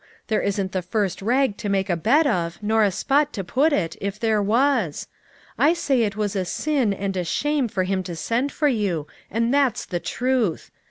There isn't the first rag to make a bed of, nor a spot to put it, if there was. I say it was a sin and a shame for him to send for you, and that's the truth